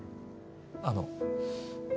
あの。